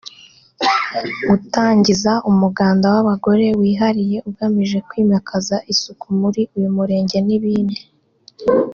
gutangiza umuganda w’abagore wihariye ugamije kwimikaza isuku muri uyu murenge n’ibindi